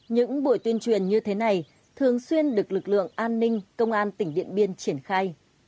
những buổi tuyên truyền như thế này thường xuyên được lực lượng an ninh công an tỉnh điện biên triển khai